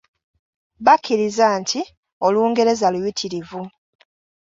Bakkiriza nti Olungereza luyitirivu.